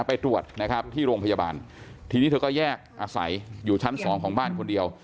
ไปตรวจนะครับที่โรงพยาบาลทีนี้เธอก็แยกอาศัยอยู่ชั้นสองของบ้านคนเดียว